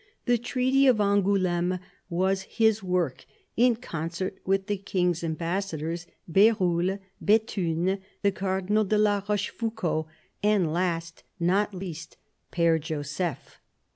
The Treaty of Angouleme was ^his work, in concert with the King's ambassadors, Berulle, Bethune, the Cardinal de la Rochefoucauld, and last, not least, Pfere Joseph.